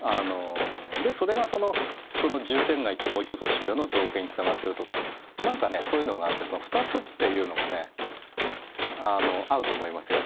でそれがその渋天街ってもう一つの渋谷の造形につながってるとか何かねそういうのがあってその２つっていうのがね合うと思いますよ。